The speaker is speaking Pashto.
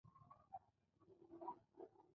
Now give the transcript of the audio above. د کندهار د چارو واګي پایلوچانو ته ورغلې.